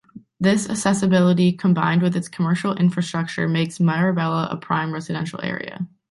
This accessibility combined with its commercial infrastructure makes Marabella a prime residential area.